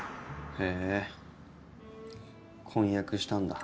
へえ婚約したんだ。